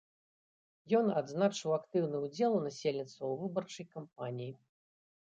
Ён адзначыў актыўны ўдзел насельніцтва ў выбарчай кампаніі.